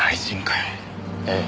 ええ。